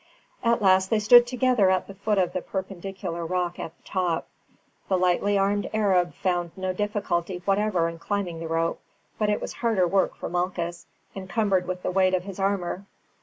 At last they stood together at the foot of the perpendicular rock at the top. The lightly armed Arab found no difficulty whatever in climbing the rope; but it was harder work for Malchus, encumbered with the weight of his armour.